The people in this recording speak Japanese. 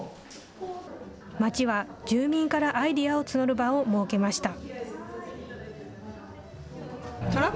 町は住民からアイデアを募る場を設けました。